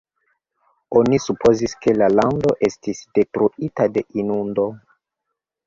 Oni supozis ke la lando estis detruita de inundo.